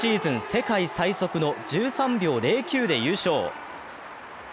世界最速の１３秒０９で優勝。